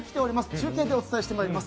中継でお伝えしております。